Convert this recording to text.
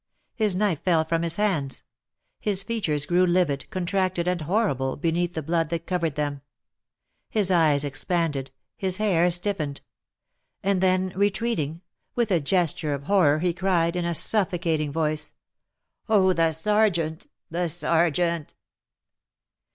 His knife fell from his hands; his features grew livid, contracted, and horrible, beneath the blood that covered them; his eyes expanded, his hair stiffened; and then retreating, with a gesture of horror, he cried, in a suffocating voice, "Oh, the sergeant! the sergeant!"